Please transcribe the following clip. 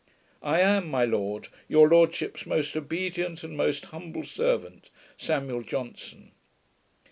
I am, my Lord, Your lordship's most obedient And most humble servant, SAM. JOHNSON.